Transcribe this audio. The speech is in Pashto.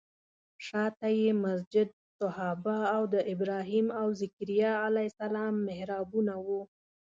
شاته یې مسجد صحابه او د ابراهیم او ذکریا علیه السلام محرابونه وو.